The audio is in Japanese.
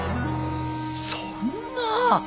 そんな！